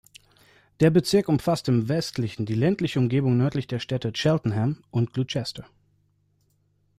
Der Bezirk umfasst im Wesentlichen die ländliche Umgebung nördlich der Städte Cheltenham und Gloucester.